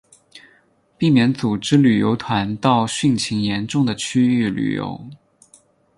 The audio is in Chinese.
避免组织旅游团到汛情严重的区域旅游